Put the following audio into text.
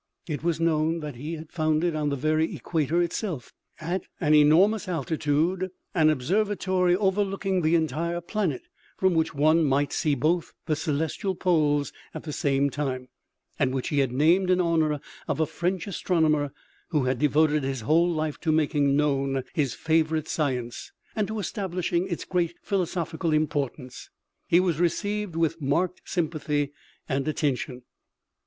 It was known that he had founded on the very equator itself, at an enormous altitude, an observatory overlooking the entire planet, from which one might see both the celestial poles at the same time, and which he had named in honor of a French astronomer who had devoted his whole life to making known his favorite science and to establishing its great philosophical import ance. He was received with marked sympathy and attention.